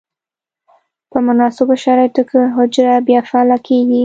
په مناسبو شرایطو کې حجره بیا فعاله کیږي.